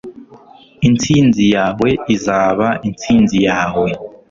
intsinzi yawe izaba intsinzi yawe